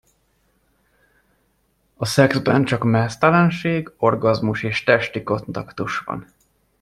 A szexben csak meztelenség, orgazmus és testi kontaktus van.